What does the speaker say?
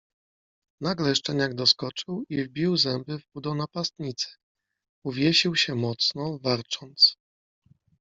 Nagle szczeniak doskoczył i wbił zęby w udo napastnicy. Uwiesił się mocno, warcząc